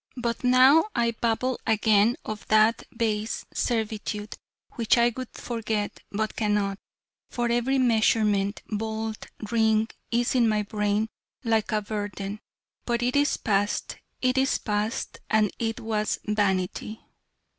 But now I babble again of that base servitude, which I would forget, but cannot: for every measurement, bolt, ring, is in my brain, like a burden: but it is past, it is past and it was vanity.